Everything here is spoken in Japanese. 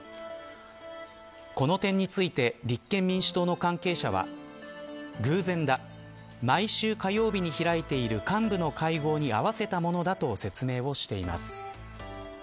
この点について立憲民主党の関係者は偶然だ、毎週火曜日に開いている幹部の会合に合わせたものだと説明しています。